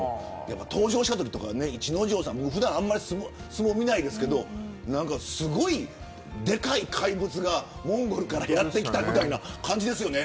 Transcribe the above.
登場したときは普段あんまり相撲を見ないですけどなんか、すごいでかい怪物がモンゴルからやって来たみたいな感じでしたよね。